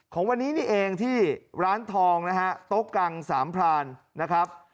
ของวันนี้นี่เองที่ร้านทองนะฮะโต๊ะกังสามพรานนะครับ